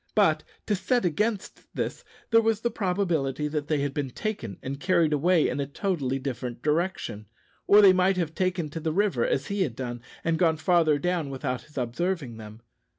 But, to set against this, there was the probability that they had been taken and carried away in a totally different direction; or they might have taken to the river, as he had done, and gone farther down without his observing them.